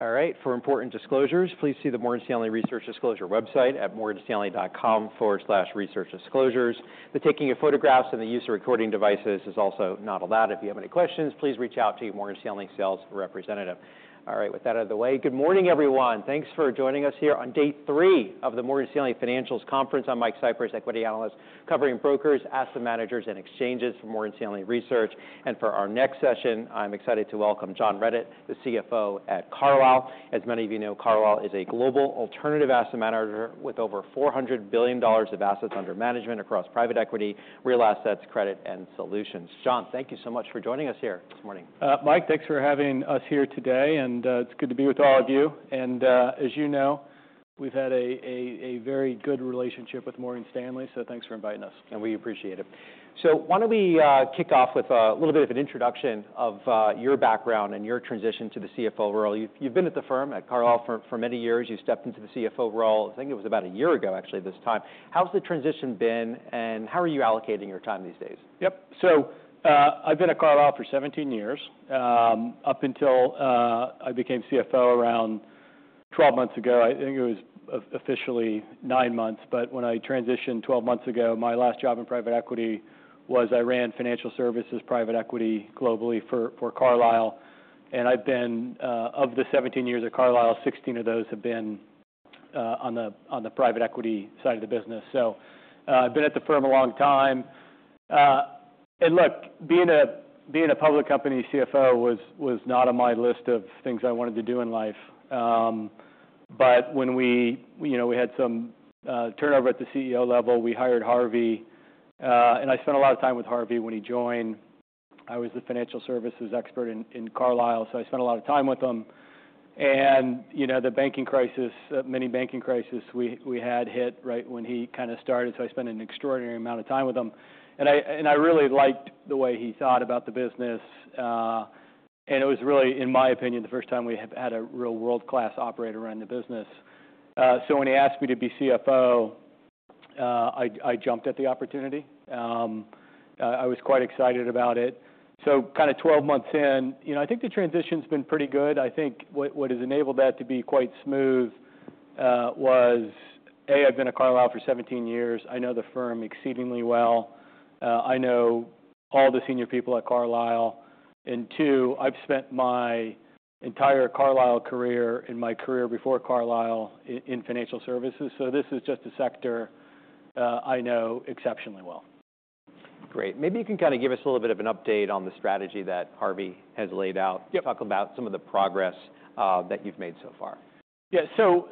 All right. For important disclosures, please see the Morgan Stanley Research Disclosure website at morganstanley.com/researchdisclosures. The taking of photographs and the use of recording devices is also not allowed. If you have any questions, please reach out to your Morgan Stanley sales representative. All right, with that out of the way, good morning, everyone. Thanks for joining us here on day three of the Morgan Stanley Financials Conference. I'm Mike Cyprys, Equity Analyst, covering Brokers, Asset Managers, and Exchanges for Morgan Stanley Research. For our next session, I'm excited to welcome John Redett, the CFO at Carlyle. As many of you know, Carlyle is a global alternative asset manager with over $400 billion of assets under management across private equity, real assets, credit, and solutions. John, thank you so much for joining us here this morning. Mike, thanks for having us here today, and it's good to be with all of you. As you know, we've had a very good relationship with Morgan Stanley, so thanks for inviting us. We appreciate it. Why don't we kick off with a little bit of an introduction of your background and your transition to the CFO role? You've been at the firm, at Carlyle, for many years. You stepped into the CFO role, I think it was about a year ago, actually, this time. How's the transition been, and how are you allocating your time these days? Yep. So, I've been at Carlyle for 17 years. Up until I became CFO around 12 months ago, I think it was officially nine months, but when I transitioned 12 months ago, my last job in private equity was I ran financial services, private equity globally for Carlyle. And I've been, of the 17 years at Carlyle, 16 of those have been, on the private equity side of the business. So, I've been at the firm a long time. And look, being a public company CFO was not on my list of things I wanted to do in life. But when we, you know, we had some turnover at the CEO level, we hired Harvey. And I spent a lot of time with Harvey when he joined. I was the Financial Services Expert in Carlyle, so I spent a lot of time with him. And, you know, the banking crisis, many banking crisis we had hit right when he kind of started, so I spent an extraordinary amount of time with him. And I really liked the way he thought about the business. And it was really, in my opinion, the first time we have had a real world-class operator run the business. So when he asked me to be CFO, I jumped at the opportunity. I was quite excited about it. So kind of 12 months in, you know, I think the transition's been pretty good. I think what has enabled that to be quite smooth was A, I've been at Carlyle for 17 years. I know the firm exceedingly well. I know all the senior people at Carlyle. And two, I've spent my entire Carlyle career and my career before Carlyle in financial services, so this is just a sector I know exceptionally well. Great. Maybe you can kind of give us a little bit of an update on the strategy that Harvey has laid out. Yep. Talk about some of the progress that you've made so far. Yeah. So,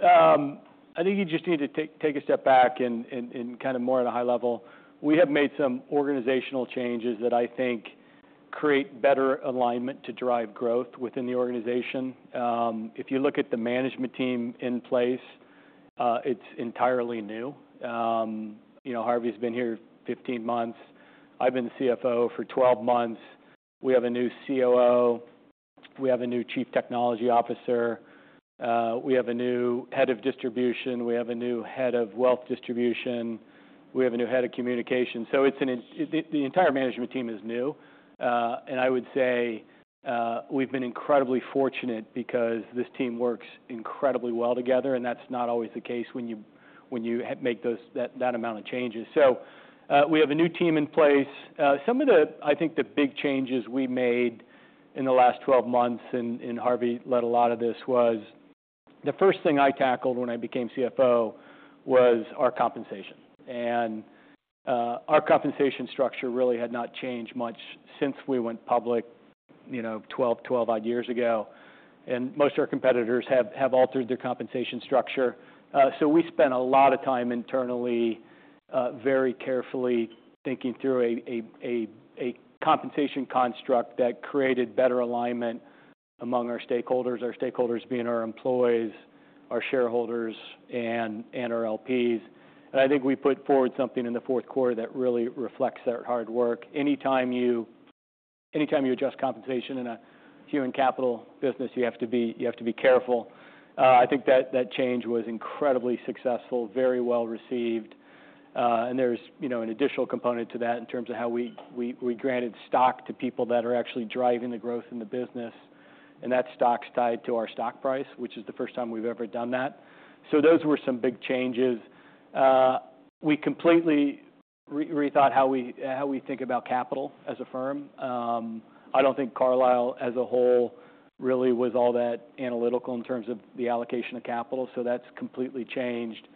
I think you just need to take a step back and kind of more at a high level. We have made some organizational changes that I think create better alignment to drive growth within the organization. If you look at the management team in place, it's entirely new. You know, Harvey's been here 15 months. I've been the CFO for 12 months. We have a new COO, we have a new Chief Technology Officer, we have a new Head of Distribution, we have a new Head of Wealth Distribution, we have a new Head of Communication. So the entire management team is new. And I would say, we've been incredibly fortunate because this team works incredibly well together, and that's not always the case when you make those that amount of changes. So, we have a new team in place. Some of the, I think, the big changes we made in the last 12 months, and Harvey led a lot of this, was the first thing I tackled when I became CFO was our compensation. And, our compensation structure really had not changed much since we went public, you know, 12-odd years ago. And most of our competitors have altered their compensation structure. So we spent a lot of time internally, very carefully thinking through a compensation construct that created better alignment among our stakeholders, our stakeholders being our employees, our shareholders, and our LPs. And I think we put forward something in the fourth quarter that really reflects that hard work. Anytime you adjust compensation in a human capital business, you have to be careful. I think that change was incredibly successful, very well received. And there's, you know, an additional component to that in terms of how we granted stock to people that are actually driving the growth in the business, and that stock's tied to our stock price, which is the first time we've ever done that. So those were some big changes. We completely rethought how we think about capital as a firm. I don't think Carlyle, as a whole, really was all that analytical in terms of the allocation of capital, so that's completely changed.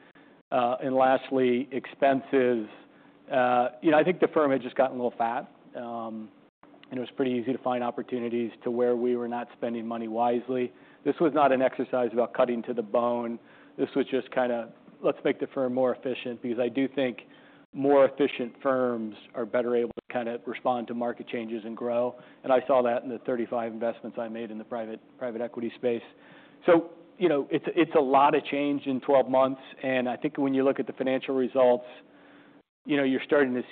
And lastly, expenses. You know, I think the firm had just gotten a little fat, and it was pretty easy to find opportunities to where we were not spending money wisely. This was not an exercise about cutting to the bone. This was just kind of, "Let's make the firm more efficient," because I do think more efficient firms are better able to kind of respond to market changes and grow. And I saw that in the 35 investments I made in the private equity space. So you know, it's a lot of change in 12 months, and I think when you look at the financial results, you know, you're starting to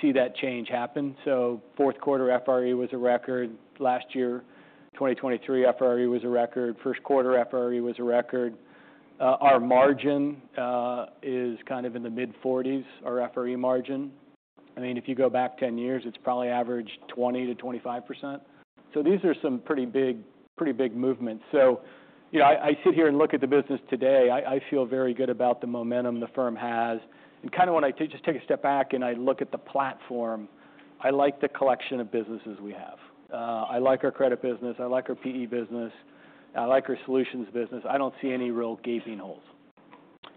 see that change happen. So fourth quarter FRE was a record. Last year, 2023, FRE was a record. First quarter, FRE was a record. Our margin is kind of in the mid-40s, our FRE margin. I mean, if you go back 10 years, it's probably averaged 20%-25%. So these are some pretty big, pretty big movements. So, you know, I sit here and look at the business today, I feel very good about the momentum the firm has. And kind of when I take just a step back and I look at the platform, I like the collection of businesses we have. I like our credit business, I like our PE business, I like our solutions business. I don't see any real gaping holes.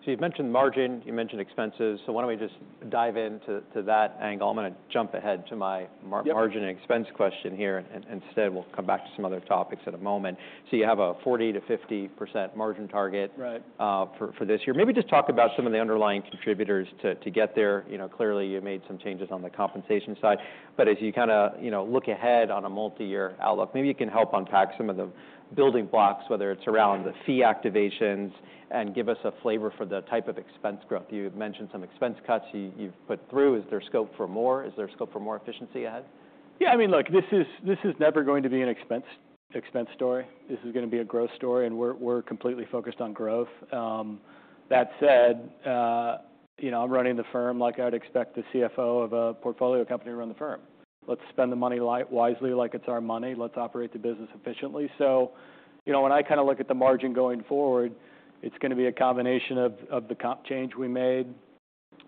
So you've mentioned margin, you mentioned expenses, so why don't we just dive into that angle? I'm gonna jump ahead to my mar. Yep Margin and expense question here, and, and instead, we'll come back to some other topics in a moment. So you have a 40%-50% margin target? Right For this year. Maybe just talk about some of the underlying contributors to get there. You know, clearly, you made some changes on the compensation side, but as you kind of, you know, look ahead on a multi-year outlook, maybe you can help unpack some of the building blocks, whether it's around the fee activations, and give us a flavor for the type of expense growth. You've mentioned some expense cuts you've put through. Is there scope for more? Is there scope for more efficiency ahead? Yeah, I mean, look, this is, this is never going to be an expense, expense story. This is gonna be a growth story, and we're, we're completely focused on growth. That said, you know, I'm running the firm like I'd expect the CFO of a portfolio company to run the firm. Let's spend the money wisely, like it's our money. Let's operate the business efficiently. So, you know, when I kind of look at the margin going forward, it's gonna be a combination of the comp change we made,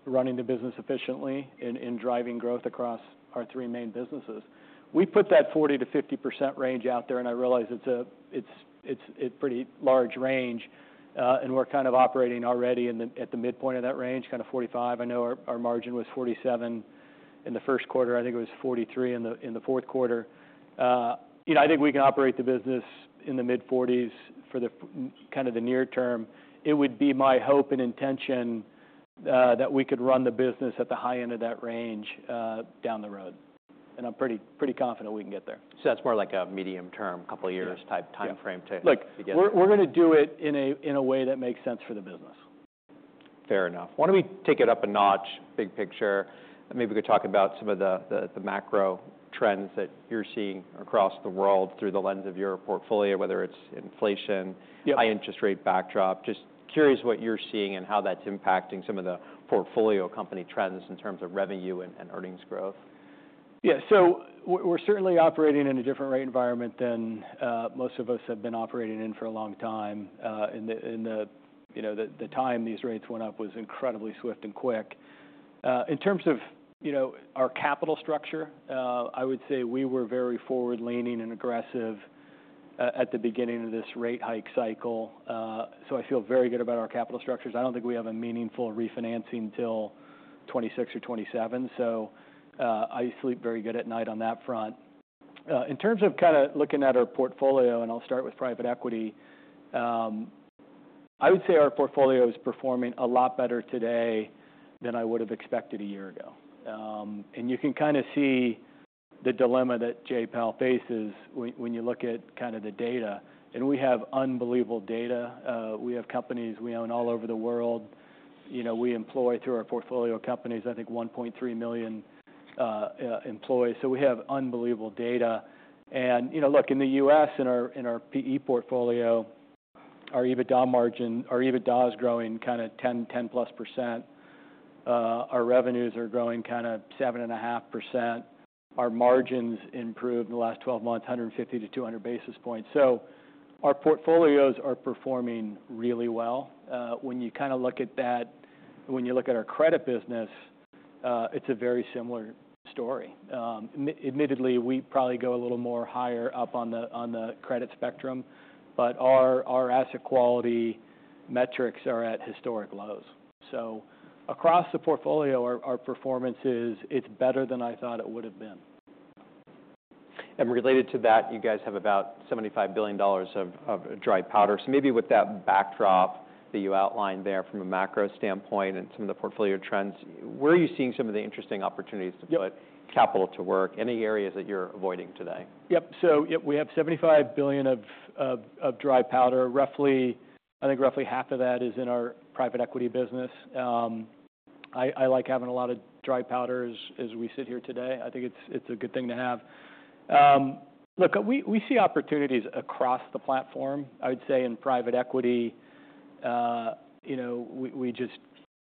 running the business efficiently, and driving growth across our three main businesses. We put that 40%-50% range out there, and I realize it's a pretty large range, and we're kind of operating already at the midpoint of that range, kind of 45%. I know our margin was 47% in the first quarter. I think it was 43% in the fourth quarter. You know, I think we can operate the business in the mid-40s for the near term. It would be my hope and intention that we could run the business at the high end of that range down the road, and I'm pretty confident we can get there. That's more like a medium term, couple of years. Yeah. Type time frame to. Look. To get there. We're gonna do it in a way that makes sense for the business. Fair enough. Why don't we take it up a notch? Big picture, and maybe we could talk about some of the macro trends that you're seeing across the world through the lens of your portfolio, whether it's inflation. Yep. High interest rate backdrop. Just curious what you're seeing and how that's impacting some of the portfolio company trends in terms of revenue and earnings growth? Yeah. So we're certainly operating in a different rate environment than most of us have been operating in for a long time. And the you know the time these rates went up was incredibly swift and quick. In terms of you know our capital structure I would say we were very forward-leaning and aggressive at the beginning of this rate hike cycle so I feel very good about our capital structures. I don't think we have a meaningful refinancing till 2026 or 2027 so I sleep very good at night on that front. In terms of kind of looking at our portfolio and I'll start with private equity I would say our portfolio is performing a lot better today than I would have expected a year ago. You can kind of see the dilemma that J-PAL faces when you look at kind of the data, and we have unbelievable data. We have companies we own all over the world. You know, we employ, through our portfolio of companies, I think 1.3 million employees, so we have unbelievable data. You know, look, in the U.S., in our PE portfolio, our EBITDA margin. Our EBITDA is growing kind of 10, 10%+. Our revenues are growing kind of 7.5%. Our margins improved in the last 12 months, 150 basis points-200 basis points. Our portfolios are performing really well. When you kind of look at that, when you look at our credit business, it's a very similar story. Admittedly, we probably go a little more higher up on the credit spectrum, but our asset quality metrics are at historic lows. So across the portfolio, our performance is better than I thought it would have been. And related to that, you guys have about $75 billion of dry powder. So maybe with that backdrop that you outlined there from a macro standpoint and some of the portfolio trends, where are you seeing some of the interesting opportunities? Yep. To put capital to work? Any areas that you're avoiding today? Yep. So, yep, we have $75 billion of dry powder. Roughly, I think roughly half of that is in our private equity business. I like having a lot of dry powder as we sit here today. I think it's a good thing to have. Look, we see opportunities across the platform. I would say in private equity, you know, we just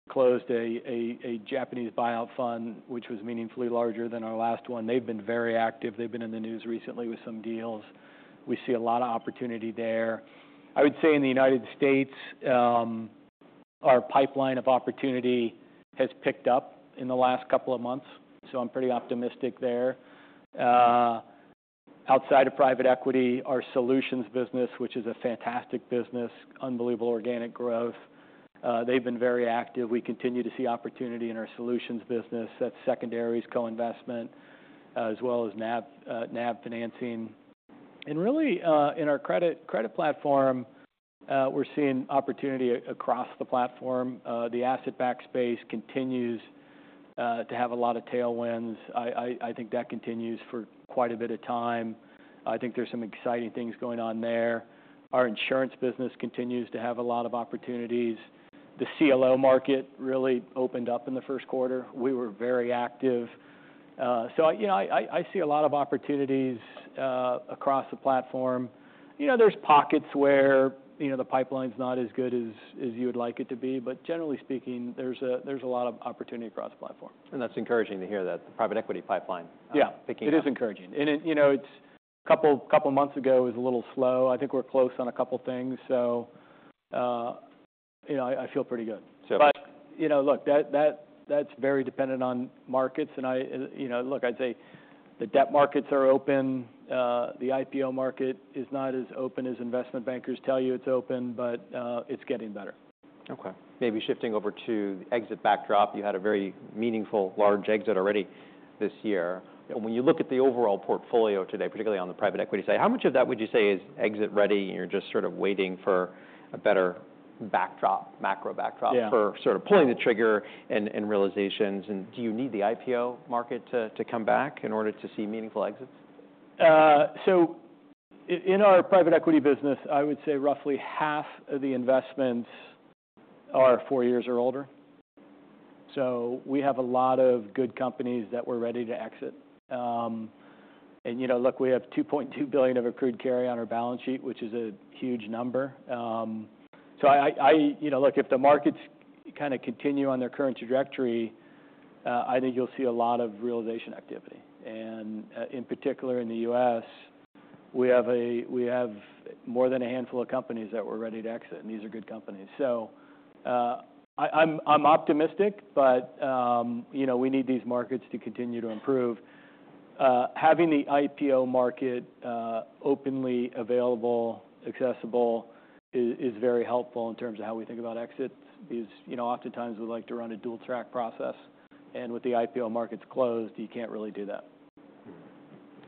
closed a Japanese buyout fund, which was meaningfully larger than our last one. They've been very active. They've been in the news recently with some deals. We see a lot of opportunity there. I would say in the United States, our pipeline of opportunity has picked up in the last couple of months, so I'm pretty optimistic there. Outside of private equity, our solutions business, which is a fantastic business, unbelievable organic growth, they've been very active. We continue to see opportunity in our solutions business. That's secondaries, co-investment, as well as NAV financing. Really, in our credit platform, we're seeing opportunity across the platform. The asset-backed space continues to have a lot of tailwinds. I think that continues for quite a bit of time. I think there's some exciting things going on there. Our insurance business continues to have a lot of opportunities. The CLO market really opened up in the first quarter. We were very active. You know, I see a lot of opportunities across the platform. You know, there's pockets where, you know, the pipeline's not as good as you would like it to be, but generally speaking, there's a lot of opportunity across the platform. That's encouraging to hear that the private equity pipeline. Yeah. Picking up. It is encouraging. And it, you know, it's a couple months ago, it was a little slow. I think we're close on a couple of things, so, you know, I feel pretty good. So. But, you know, look, that's very dependent on markets. And I, you know, look, I'd say the debt markets are open. The IPO market is not as open as investment bankers tell you it's open, but it's getting better. Okay. Maybe shifting over to the exit backdrop, you had a very meaningful. Yeah. Large exit already this year. And when you look at the overall portfolio today, particularly on the private equity side, how much of that would you say is exit-ready, and you're just sort of waiting for a better backdrop, macro backdrop? Yeah. For sort of pulling the trigger and realizations? And do you need the IPO market to come back in order to see meaningful exits? So in our private equity business, I would say roughly half of the investments are four years or older. So we have a lot of good companies that we're ready to exit. You know, look, we have $2.2 billion of accrued carry on our balance sheet, which is a huge number. You know, look, if the markets kind of continue on their current trajectory, I think you'll see a lot of realization activity. And in particular, in the U.S., we have more than a handful of companies that we're ready to exit, and these are good companies. So I'm optimistic, but you know, we need these markets to continue to improve. Having the IPO market openly available, accessible, is very helpful in terms of how we think about exits. Because, you know, oftentimes we like to run a dual track process, and with the IPO markets closed, you can't really do that.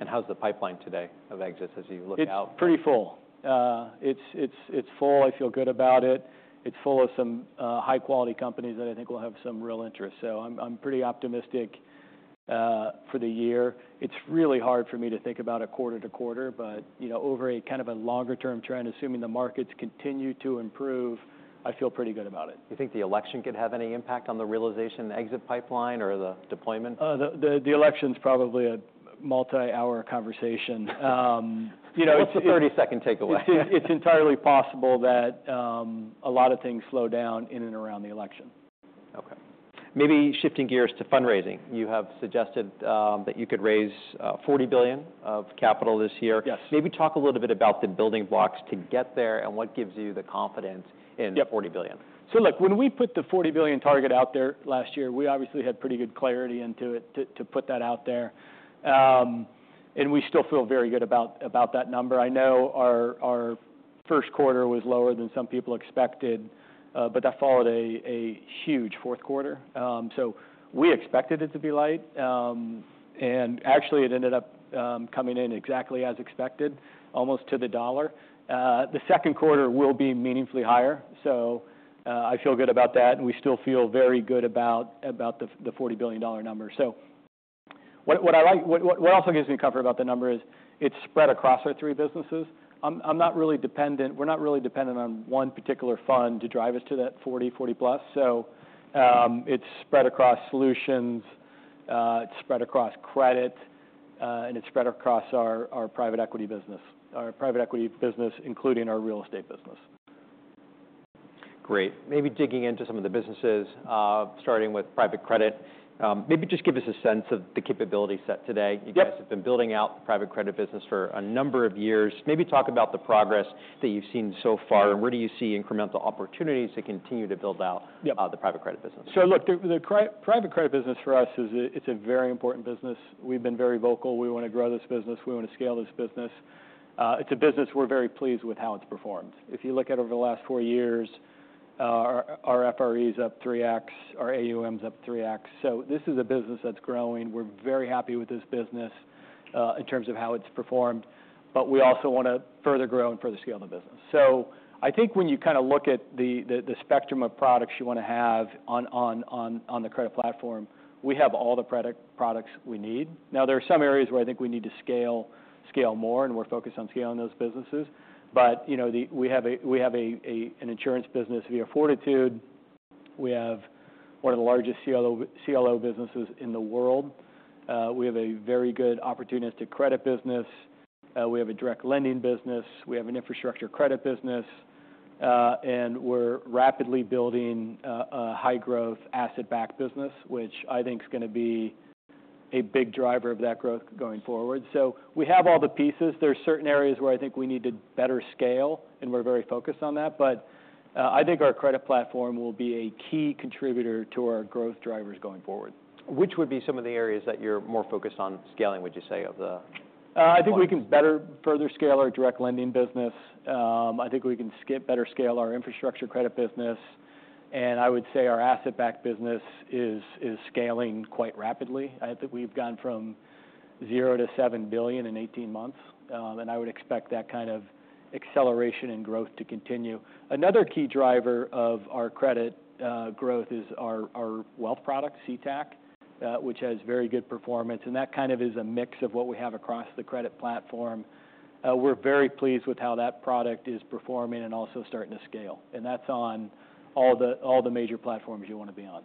Mm-hmm. How's the pipeline today of exits as you look out? It's pretty full. It's full. I feel good about it. It's full of some high-quality companies that I think will have some real interest. So I'm pretty optimistic for the year. It's really hard for me to think about it quarter to quarter, but you know, over a kind of a longer-term trend, assuming the markets continue to improve, I feel pretty good about it. Do you think the election could have any impact on the realization and exit pipeline or the deployment? The election's probably a multi-hour conversation. You know, it. What's the 30-second takeaway? It's, it's entirely possible that a lot of things slow down in and around the election. Okay. Maybe shifting gears to fundraising, you have suggested, that you could raise $40 billion of capital this year. Yes. Maybe talk a little bit about the building blocks to get there and what gives you the confidence in. Yep. The $40 billion? So look, when we put the $40 billion target out there last year, we obviously had pretty good clarity into it, to put that out there. And we still feel very good about that number. I know our first quarter was lower than some people expected, but that followed a huge fourth quarter. So we expected it to be light. And actually, it ended up coming in exactly as expected, almost to the dollar. The second quarter will be meaningfully higher, so I feel good about that, and we still feel very good about the $40 billion number. So what I like, what also gives me comfort about the number is it's spread across our three businesses. I'm not really dependent—we're not really dependent on one particular fund to drive us to that 40, 40+. So, it's spread across solutions, it's spread across credit, and it's spread across our private equity business. Our private equity business, including our real estate business. Great! Maybe digging into some of the businesses, starting with private credit. Maybe just give us a sense of the capability set today. Yep. You guys have been building out the private credit business for a number of years. Maybe talk about the progress that you've seen so far, and where do you see incremental opportunities to continue to build out. Yep. The private credit business? So look, the private credit business for us is—it's a very important business. We've been very vocal. We want to grow this business. We want to scale this business. It's a business we're very pleased with how it's performed. If you look at over the last four years, our FRE is up 3x, our AUM is up 3x. So this is a business that's growing. We're very happy with this business, in terms of how it's performed, but we also want to further grow and further scale the business. So I think when you kind of look at the spectrum of products you want to have on the credit platform, we have all the products we need. Now, there are some areas where I think we need to scale, scale more, and we're focused on scaling those businesses. But, you know, we have an insurance business via Fortitude. We have one of the largest CLO, CLO businesses in the world. We have a very good opportunistic credit business. We have a direct lending business. We have an infrastructure credit business. And we're rapidly building a high-growth asset-backed business, which I think is going to be a big driver of that growth going forward. So we have all the pieces. There are certain areas where I think we need to better scale, and we're very focused on that. But, I think our credit platform will be a key contributor to our growth drivers going forward. Which would be some of the areas that you're more focused on scaling, would you say, of the? I think we can better further scale our direct lending business. I think we can better scale our infrastructure credit business. I would say our asset-backed business is scaling quite rapidly. I think we've gone from zero to $7 billion in 18 months, and I would expect that kind of acceleration and growth to continue. Another key driver of our credit growth is our wealth product, CTAC, which has very good performance, and that kind of is a mix of what we have across the credit platform. We're very pleased with how that product is performing and also starting to scale, and that's on all the major platforms you want to be on.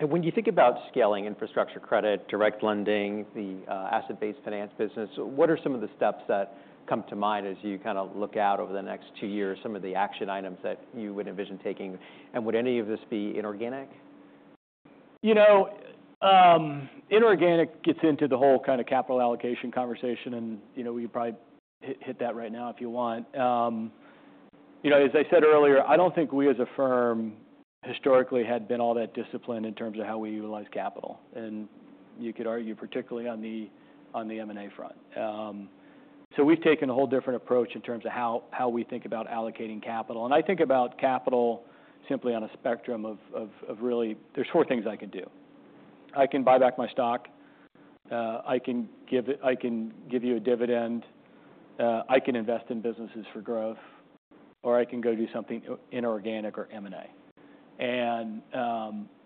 And when you think about scaling infrastructure credit, direct lending, the asset-based finance business, what are some of the steps that come to mind as you kind of look out over the next two years, some of the action items that you would envision taking? And would any of this be inorganic? You know, inorganic gets into the whole kind of capital allocation conversation, and, you know, we could probably hit that right now if you want. You know, as I said earlier, I don't think we, as a firm, historically had been all that disciplined in terms of how we utilize capital, and you could argue, particularly on the M&A front. So we've taken a whole different approach in terms of how we think about allocating capital. And I think about capital simply on a spectrum of really... There's four things I can do: I can buy back my stock, I can give you a dividend, I can invest in businesses for growth, or I can go do something inorganic or M&A.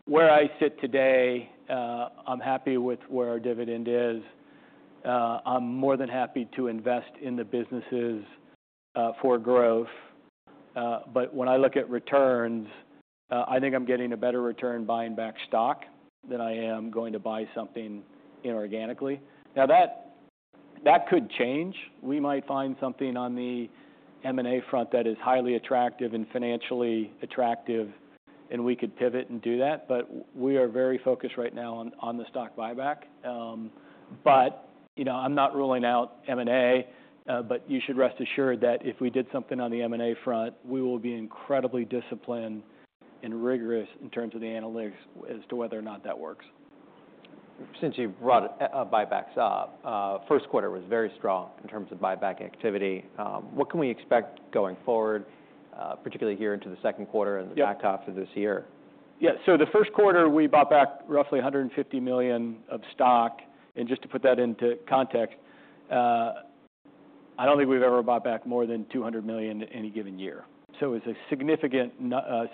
Where I sit today, I'm happy with where our dividend is. I'm more than happy to invest in the businesses for growth. But when I look at returns, I think I'm getting a better return buying back stock than I am going to buy something inorganically. Now, that could change. We might find something on the M&A front that is highly attractive and financially attractive, and we could pivot and do that, but we are very focused right now on the stock buyback. But, you know, I'm not ruling out M&A, but you should rest assured that if we did something on the M&A front, we will be incredibly disciplined and rigorous in terms of the analytics as to whether or not that works. Since you've brought buybacks up, first quarter was very strong in terms of buyback activity. What can we expect going forward, particularly here into the second quarter and the back half of this year? Yeah, so the first quarter, we bought back roughly $150 million of stock, and just to put that into context, I don't think we've ever bought back more than $200 million in any given year. So it's a significant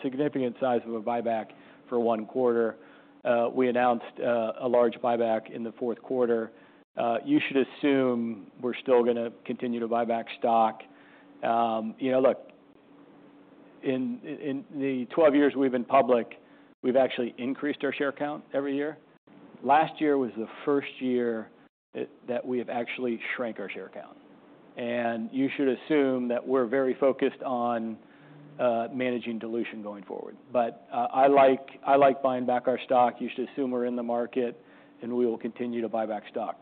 significant size of a buyback for one quarter. We announced a large buyback in the fourth quarter. You should assume we're still gonna continue to buy back stock. You know, look, in the 12 years we've been public, we've actually increased our share count every year. Last year was the first year that we have actually shrank our share count. And you should assume that we're very focused on managing dilution going forward. But, I like, I like buying back our stock. You should assume we're in the market, and we will continue to buy back stock.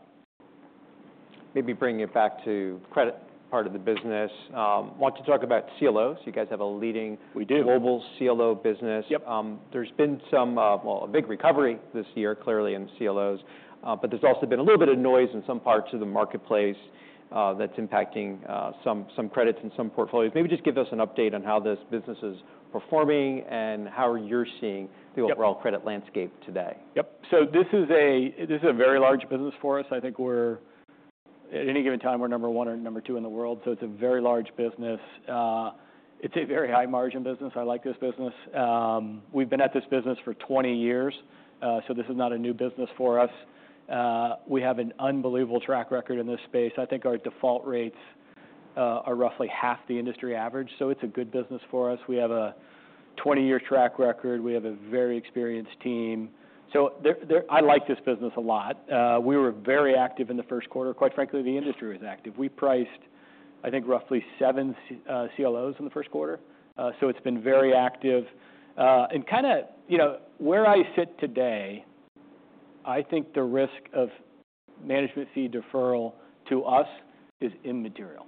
Maybe bringing it back to credit part of the business. Want to talk about CLOs. You guys have a leading. We do. Global CLO business. Yep. There's been some, well, a big recovery this year, clearly in CLOs, but there's also been a little bit of noise in some parts of the marketplace, that's impacting some credits and some portfolios. Maybe just give us an update on how this business is performing and how you're seeing? Yep The overall credit landscape today. Yep. So this is a very large business for us. I think we're... At any given time, we're number one or number two in the world, so it's a very large business. It's a very high-margin business. I like this business. We've been at this business for 20 years, so this is not a new business for us. We have an unbelievable track record in this space. I think our default rates are roughly half the industry average, so it's a good business for us. We have a 20-year track record. We have a very experienced team. So I like this business a lot. We were very active in the first quarter. Quite frankly, the industry was active. We priced, I think, roughly seven CLOs in the first quarter. So it's been very active. And kind of, you know, where I sit today, I think the risk of management fee deferral to us is immaterial.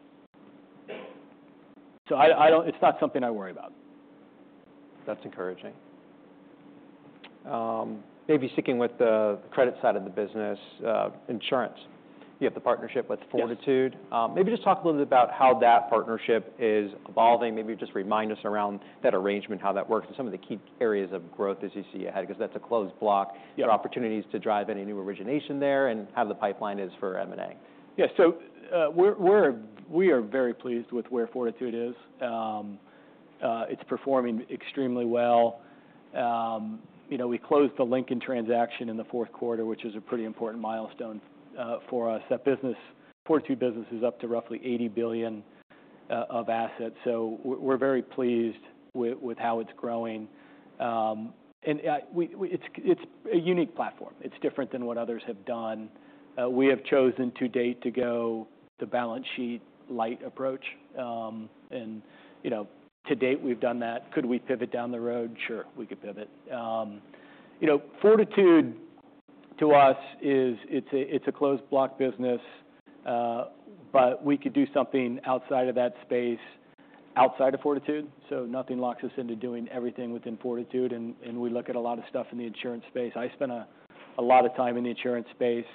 So I don't. It's not something I worry about. That's encouraging. Maybe sticking with the credit side of the business, insurance, you have the partnership with Fortitude. Yes. Maybe just talk a little bit about how that partnership is evolving. Maybe just remind us around that arrangement, how that works, and some of the key areas of growth as you see ahead, because that's a closed block. Yep. The opportunities to drive any new origination there and how the pipeline is for M&A? Yeah. So, we are very pleased with where Fortitude is. It's performing extremely well. You know, we closed the Lincoln transaction in the fourth quarter, which is a pretty important milestone for us. That business, Fortitude business, is up to roughly $80 billion of assets, so we're very pleased with how it's growing. And it's a unique platform. It's different than what others have done. We have chosen to date to go the balance sheet light approach. And, you know, to date, we've done that. Could we pivot down the road? Sure, we could pivot. You know, Fortitude to us is, it's a closed block business, but we could do something outside of that space, outside of Fortitude, so nothing locks us into doing everything within Fortitude, and we look at a lot of stuff in the insurance space. I spent a lot of time in the insurance space.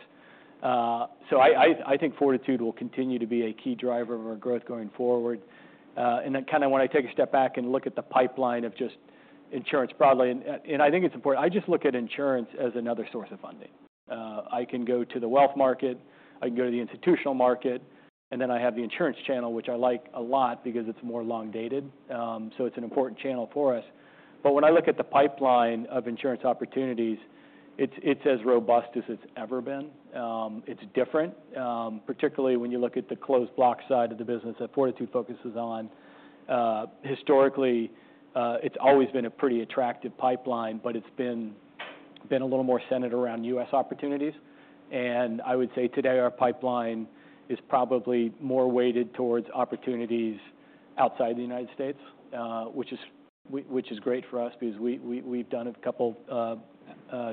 So I think Fortitude will continue to be a key driver of our growth going forward. And then kind of when I take a step back and look at the pipeline of just insurance broadly, and I think it's important, I just look at insurance as another source of funding. I can go to the wealth market, I can go to the institutional market, and then I have the insurance channel, which I like a lot because it's more long-dated. So it's an important channel for us. But when I look at the pipeline of insurance opportunities, it's as robust as it's ever been. It's different, particularly when you look at the closed block side of the business that Fortitude focuses on. Historically, it's always been a pretty attractive pipeline, but it's been a little more centered around U.S. opportunities. And I would say today, our pipeline is probably more weighted towards opportunities outside the United States, which is great for us because we've done a couple of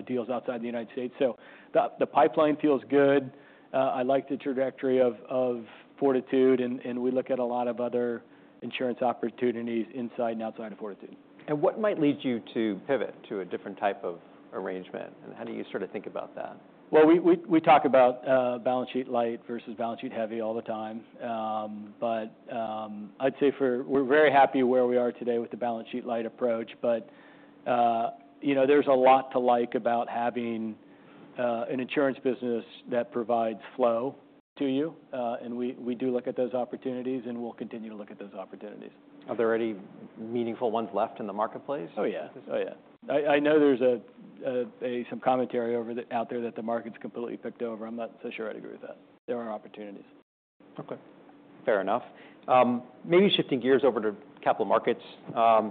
deals outside the United States. So the pipeline feels good. I like the trajectory of Fortitude, and we look at a lot of other insurance opportunities inside and outside of Fortitude. What might lead you to pivot to a different type of arrangement? And how do you sort of think about that? Well, we talk about balance sheet light versus balance sheet heavy all the time. But I'd say w e're very happy where we are today with the balance sheet light approach. But you know, there's a lot to like about having an insurance business that provides flow to you. And we do look at those opportunities, and we'll continue to look at those opportunities. Are there any meaningful ones left in the marketplace? Oh, yeah. Oh, yeah. I know there's some commentary out there that the market's completely picked over. I'm not so sure I'd agree with that. There are opportunities. Okay, fair enough. Maybe shifting gears over to capital markets.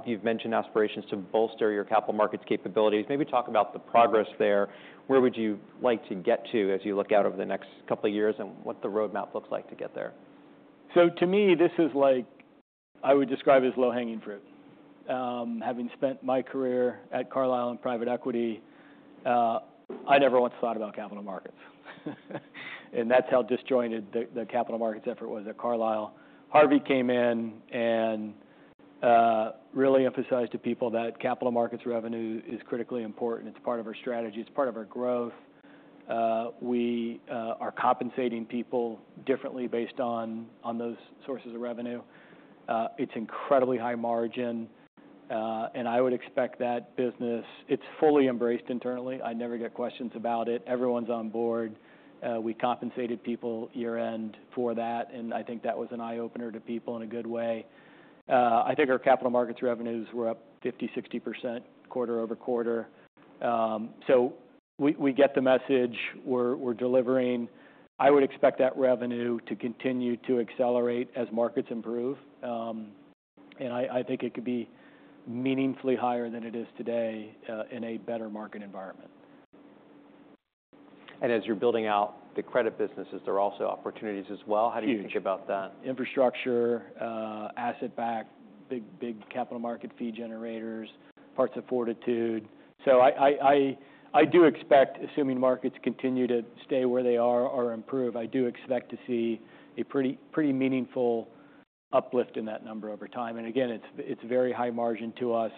You've mentioned aspirations to bolster your capital markets capabilities. Maybe talk about the progress there. Where would you like to get to as you look out over the next couple of years, and what the roadmap looks like to get there? So to me, this is like... I would describe it as low-hanging fruit. Having spent my career at Carlyle in private equity, I never once thought about capital markets. And that's how disjointed the capital markets effort was at Carlyle. Harvey came in and really emphasized to people that capital markets revenue is critically important. It's part of our strategy. It's part of our growth. We are compensating people differently based on those sources of revenue. It's incredibly high margin, and I would expect that business. It's fully embraced internally. I never get questions about it. Everyone's on board. We compensated people year-end for that, and I think that was an eye-opener to people in a good way. I think our capital markets revenues were up 50%, 60% quarter-over-quarter. So we get the message. We're delivering. I would expect that revenue to continue to accelerate as markets improve. And I think it could be meaningfully higher than it is today, in a better market environment. As you're building out the credit businesses, there are also opportunities as well. Huge. How do you think about that? Infrastructure, asset-backed, big, big capital market fee generators, parts of Fortitude. So I do expect, assuming markets continue to stay where they are or improve, I do expect to see a pretty meaningful uplift in that number over time. And again, it's very high margin to us,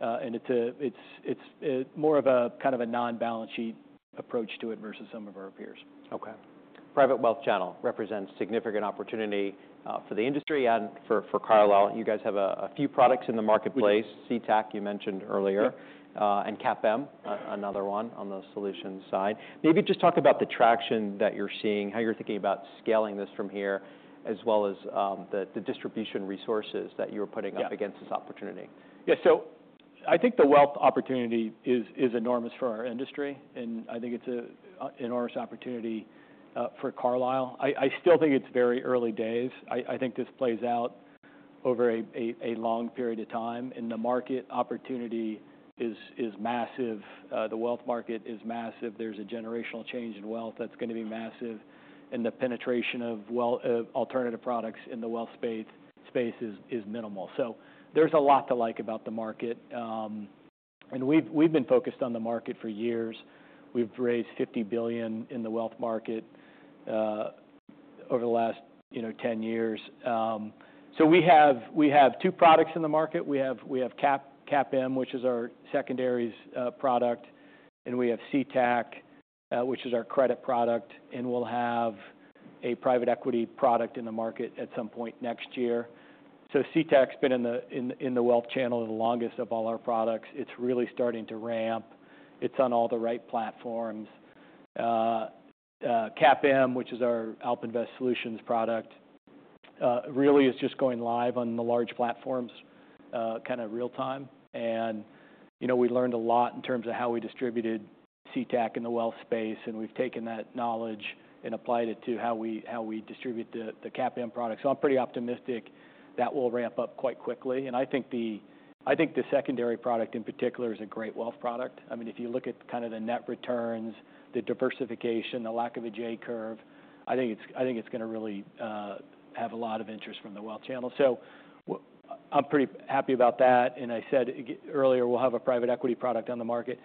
and it's a -- it's more of a kind of a non-balance sheet approach to it versus some of our peers. Okay. Private wealth channel represents significant opportunity for the industry and for Carlyle. You guys have a few products in the marketplace. CTAC, you mentioned earlier. Yeah. And CAPM, another one on the solutions side. Maybe just talk about the traction that you're seeing, how you're thinking about scaling this from here, as well as the distribution resources that you're putting up. Yeah Against this opportunity. Yeah. So I think the wealth opportunity is enormous for our industry, and I think it's a enormous opportunity for Carlyle. I still think it's very early days. I think this plays out over a long period of time, and the market opportunity is massive. The wealth market is massive. There's a generational change in wealth that's going to be massive, and the penetration of wealth alternative products in the wealth space is minimal. So there's a lot to like about the market. And we've been focused on the market for years. We've raised $50 billion in the wealth market over the last, you know, 10 years. So we have two products in the market. We have CAPM, which is our secondaries product, and we have CTAC, which is our credit product, and we'll have a private equity product in the market at some point next year. So CTAC's been in the wealth channel the longest of all our products. It's really starting to ramp. It's on all the right platforms. CAPM, which is our AlpInvest solutions product, really is just going live on the large platforms, kind of real time. And, you know, we learned a lot in terms of how we distributed CTAC in the wealth space, and we've taken that knowledge and applied it to how we distribute the CAPM product. So I'm pretty optimistic that will ramp up quite quickly, and I think the secondary product, in particular, is a great wealth product. I mean, if you look at kind of the net returns, the diversification, the lack of a J-Curve, I think it's going to really have a lot of interest from the wealth channel. So I'm pretty happy about that, and I said earlier, we'll have a private equity product on the market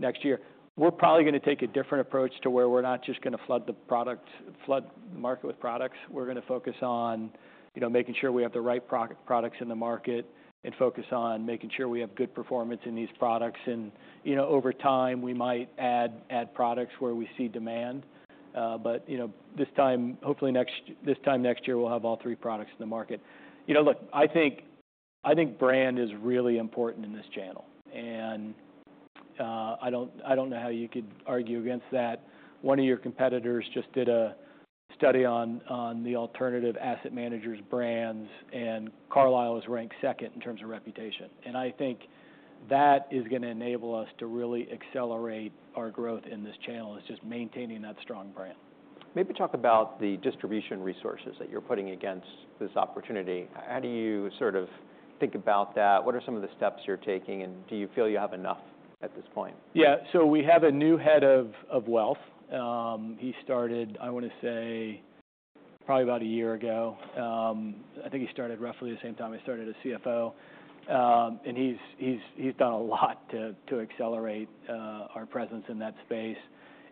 next year. We're probably going to take a different approach to where we're not just going to flood the product flood the market with products. We're going to focus on, you know, making sure we have the right products in the market and focus on making sure we have good performance in these products. And, you know, over time, we might add products where we see demand. But, you know, this time next year, we'll have all three products in the market. You know, look, I think, I think brand is really important in this channel, and, I don't, I don't know how you could argue against that. One of your competitors just did a study on, on the alternative asset managers' brands, and Carlyle was ranked second in terms of reputation. And I think that is going to enable us to really accelerate our growth in this channel, is just maintaining that strong brand. Maybe talk about the distribution resources that you're putting against this opportunity. How do you sort of think about that? What are some of the steps you're taking, and do you feel you have enough at this point? Yeah. So we have a new Head of Wealth. He started, I want to say, probably about a year ago. I think he started roughly the same time I started as CFO. And he's done a lot to accelerate our presence in that space.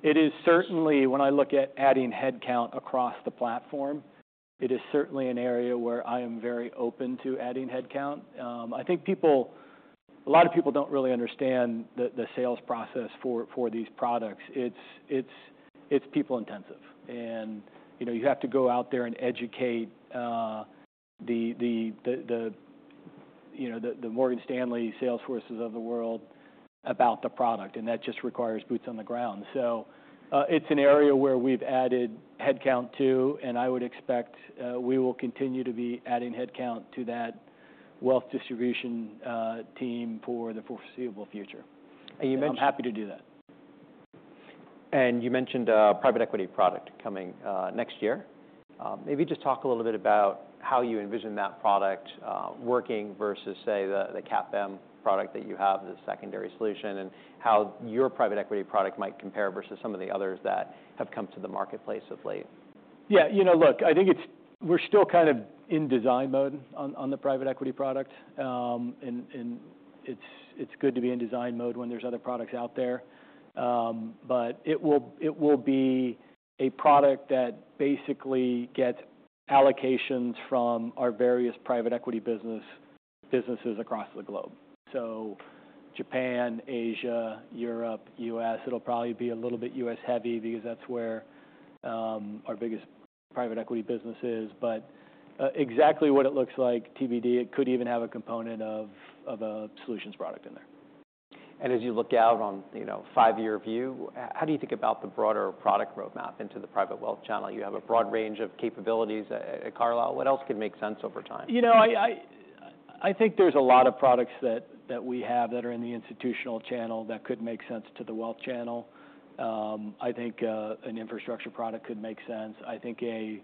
It is certainly, when I look at adding headcount across the platform, it is certainly an area where I am very open to adding headcount. I think a lot of people don't really understand the sales process for these products. It's people intensive. And, you know, you have to go out there and educate you know, the Morgan Stanley sales forces of the world about the product, and that just requires boots on the ground. It's an area where we've added headcount to, and I would expect, we will continue to be adding headcount to that wealth distribution team for the foreseeable future. And you mentioned. I'm happy to do that. You mentioned a private equity product coming next year. Maybe just talk a little bit about how you envision that product working versus, say, the CAPM product that you have, the secondary solution, and how your private equity product might compare versus some of the others that have come to the marketplace of late? Yeah, you know, look, I think we're still kind of in design mode on the private equity product. And it's good to be in design mode when there's other products out there. But it will be a product that basically gets allocations from our various private equity businesses across the globe. So Japan, Asia, Europe, U.S. It'll probably be a little bit U.S.-heavy because that's where our biggest private equity business is. But exactly what it looks like, TBD. It could even have a component of a solutions product in there. As you look out on, you know, a five-year view, how do you think about the broader product roadmap into the private wealth channel? You have a broad range of capabilities at Carlyle. What else could make sense over time? You know, I think there's a lot of products that we have that are in the institutional channel that could make sense to the wealth channel. I think an infrastructure product could make sense. I think a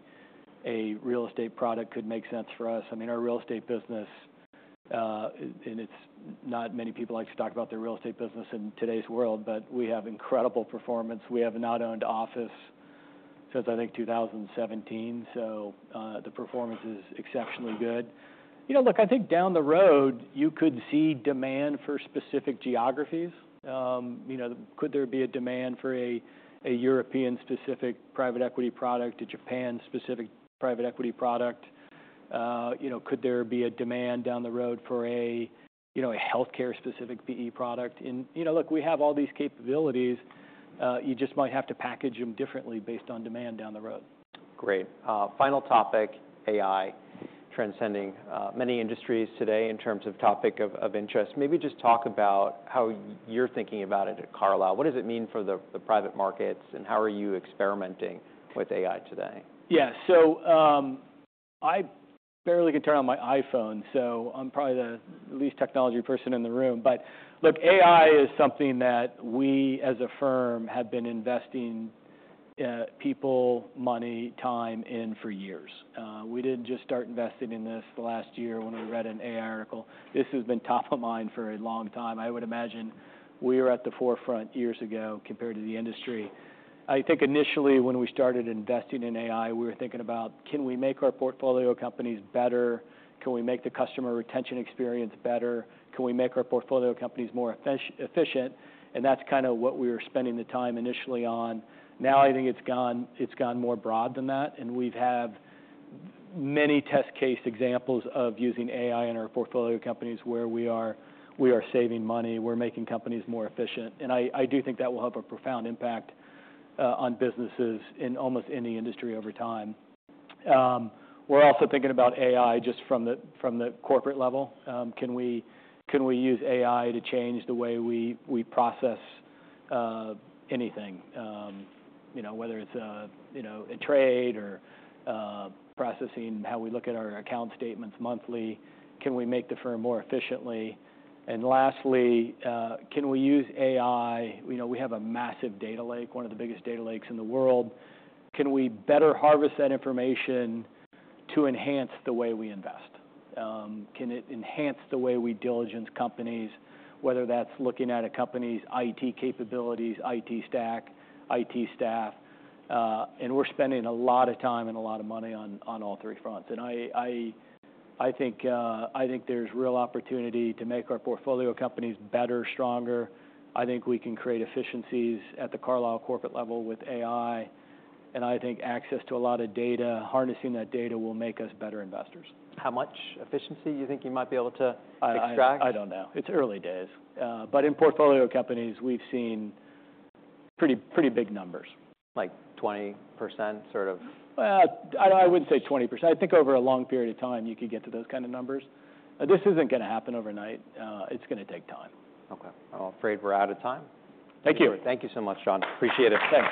real estate product could make sense for us. I mean, our real estate business, and it's not many people like to talk about their real estate business in today's world, but we have incredible performance. We have a non-owned office since, I think, 2017, so the performance is exceptionally good. You know, look, I think down the road, you could see demand for specific geographies. You know, could there be a demand for a European-specific private equity product, a Japan-specific private equity product? You know, could there be a demand down the road for a healthcare-specific PE product? You know, look, we have all these capabilities. You just might have to package them differently based on demand down the road. Great. Final topic, AI, transcending many industries today in terms of topic of interest. Maybe just talk about how you're thinking about it at Carlyle. What does it mean for the private markets, and how are you experimenting with AI today? Yeah. So, I barely could turn on my iPhone, so I'm probably the least technology person in the room. But look, AI is something that we, as a firm, have been investing, people, money, time in for years. We didn't just start investing in this the last year when we read an AI article. This has been top of mind for a long time. I would imagine we were at the forefront years ago compared to the industry. I think initially when we started investing in AI, we were thinking about, can we make our portfolio companies better? Can we make the customer retention experience better? Can we make our portfolio companies more efficient? And that's kind of what we were spending the time initially on. Now, I think it's gone, it's gone more broad than that, and we've had many test case examples of using AI in our portfolio companies where we are saving money, we're making companies more efficient. And I do think that will have a profound impact on businesses in almost any industry over time. We're also thinking about AI just from the corporate level. Can we use AI to change the way we process anything? You know, whether it's you know, a trade or processing how we look at our account statements monthly. Can we make the firm more efficiently? And lastly, can we use AI... You know, we have a massive data lake, one of the biggest data lakes in the world. Can we better harvest that information to enhance the way we invest? Can it enhance the way we diligence companies, whether that's looking at a company's IT capabilities, IT stack, IT staff? And we're spending a lot of time and a lot of money on all three fronts. And I think there's real opportunity to make our portfolio companies better, stronger. I think we can create efficiencies at the Carlyle corporate level with AI, and I think access to a lot of data, harnessing that data, will make us better investors. How much efficiency you think you might be able to extract? I don't know. It's early days. But in portfolio companies, we've seen pretty, pretty big numbers. Like 20%, sort of? Well, I wouldn't say 20%. I think over a long period of time, you could get to those kind of numbers. But this isn't gonna happen overnight. It's gonna take time. Okay. I'm afraid we're out of time. Thank you. Thank you so much, John. Appreciate it.